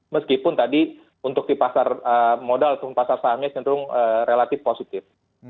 meskipun tadi untuk di pasar modal ataupun pasar sahamnya cenderung relatif positif